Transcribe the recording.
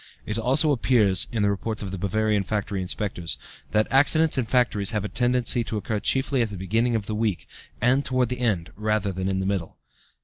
It also appears (in the reports of the Bavarian factory inspectors) that accidents in factories have a tendency to occur chiefly at the beginning of the week, and toward the end rather than in the middle.